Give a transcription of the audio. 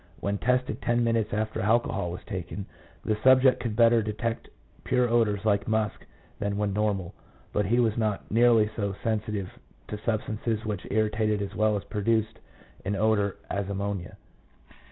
When tested ten minutes after alcohol was taken, the subject could better detect pure odours like musk than when normal, but he was not nearly so sensitive to substances which irritated as well as produced an odour, as ammonia.